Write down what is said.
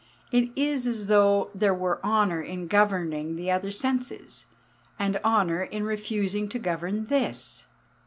It is as though there were honour in governing the other senses, and honour in refusing to govern this.